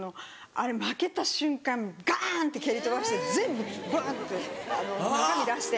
あれ負けた瞬間ガンって蹴り飛ばして全部バンって中身出して。